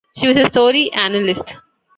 She was a story analyst.